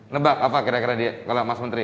nebak apa kira kira kalau mas menteri